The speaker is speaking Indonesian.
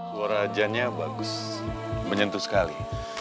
suara jannya bagus menyentuh sekali